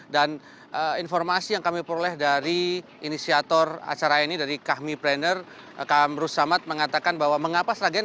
dan informasi yang kami peroleh dari inisiator acara ini dari kami planner kam rusamat mengatakan bahwa mengapa sragen